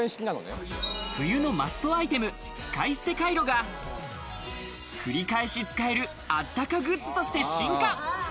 冬のマストアイテム、使い捨てカイロが繰り返し使える、あったかグッズとして進化。